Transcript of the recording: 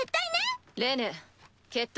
レネ決闘